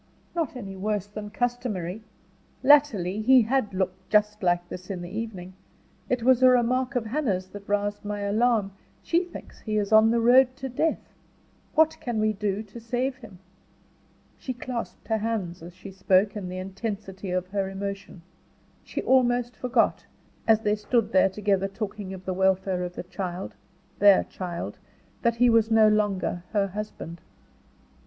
"Not any worse than customary. Latterly he had looked just like this in the evening. It was a remark of Hannah's that roused my alarm: she thinks he is on the road to death. What can we do to save him?" She clasped her hands as she spoke, in the intensity of her emotion. She almost forgot, as they stood there together talking of the welfare of the child, their child, that he was no longer her husband.